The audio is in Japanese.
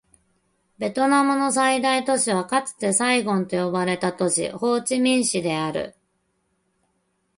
ベトナムの最大都市はかつてサイゴンと呼ばれた都市、ホーチミン市である